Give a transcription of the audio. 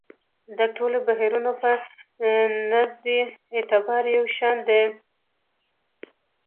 د ټولو بهیرونو په نزد یې اعتبار یو شان دی.